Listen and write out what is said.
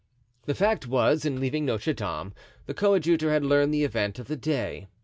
The fact was, in leaving Notre Dame the coadjutor had learned the event of the day.